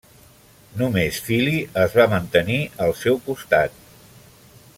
Només Fili, es va mantenir al seu costat.